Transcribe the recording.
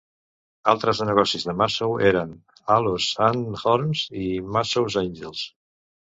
Altres negocis de Massow eren "Halos and Horns" i "Massows Angels".